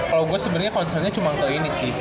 kalau gue sebenarnya concernnya cuma ke ini sih